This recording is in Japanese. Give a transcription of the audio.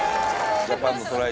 ジャパンのトライ